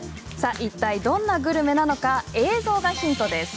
いったいどんなグルメなのか映像がヒントです。